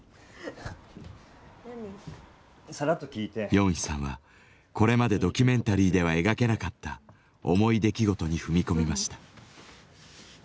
ヨンヒさんはこれまでドキュメンタリーでは描けなかった重い出来事に踏み込みました。